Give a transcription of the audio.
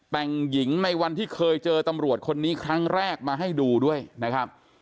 แต่งหญิงในวันที่เคยเจอตำรวจคนนี้ครั้งแรกมาให้ดูด้วยนะครับ